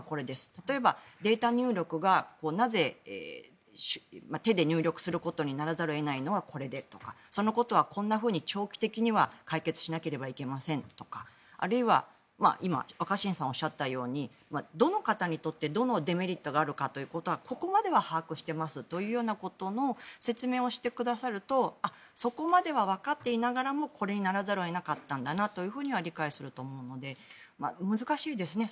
例えば、データ入力がなぜ、手で入力することにならざるを得ないのはこれでとかそのことはこんなふうに長期的には解決しなければいけませんとかあるいは、今若新さんがおっしゃったようにどの方にとってどのデメリットがあるかということはここまでは把握していますということの説明をしてくださるとそこまではわかっていながらもこれにならざるを得なかったんだなと理解すると思うので難しいですね。